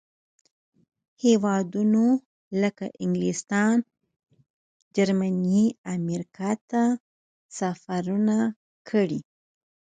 هېوادونو لکه انګلستان، جرمني، امریکا ته سفرونه کړي.